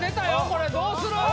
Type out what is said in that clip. これどうする？